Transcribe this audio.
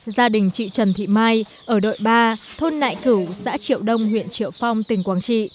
gia đình chị trần thị mai ở đội ba thôn nại cửu xã triệu đông huyện triệu phong tỉnh quảng trị